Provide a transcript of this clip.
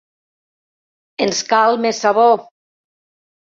Ens cal més sabó.